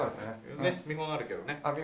見本あるけどね。